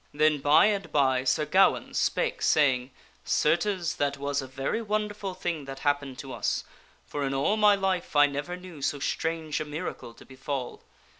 Then, by and by, Sir Gawaine spake, saying, " Certes, that was a very wonderful thing that happened to us, for in all my life I never knew so strange a miracle to befall.